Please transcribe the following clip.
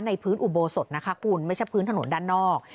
พื้นอุโบสถนะคะคุณไม่ใช่พื้นถนนด้านนอก